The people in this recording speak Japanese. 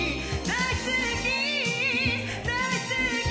大好き大好き！